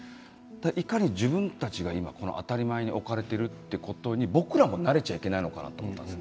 いかに自分たちが今当たり前に置かれているということに僕らも慣れちゃいけないのかなと思ったんです。